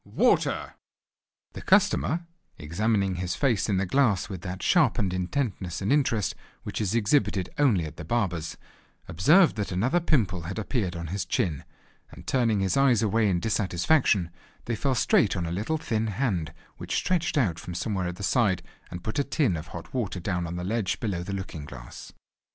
water!" The customer, examining his face in the glass with that sharpened intentness and interest which is exhibited only at the barber's, observed that another pimple had appeared on his chin, and turning his eyes away in dissatisfaction they fell straight on a thin little hand, which stretched out from somewhere at the side, and put a tin of hot water down on the ledge below the looking glass.